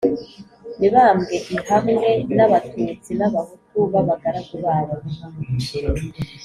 mibambwe i hamwe n' abatutsi n'abahutu b'abagaragu babo